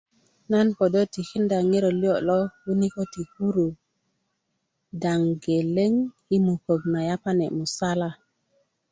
nan kodo tikinda ŋiro liyo' lo winikö ti kuru daŋ geleŋ i mukö na yapani musala